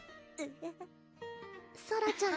ソラちゃん